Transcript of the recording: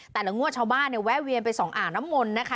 แต่ละงวดชาวบ้านเนี่ยแวะเวียนไปส่องอ่างน้ำมนต์นะคะ